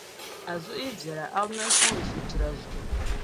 A zuɣu yi viɛla, a bi mal’ li sɔŋdi sochira zuɣu.